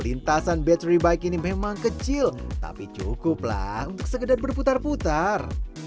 lintasan battery bike ini memang kecil tapi cukup lah untuk segedar berputar putar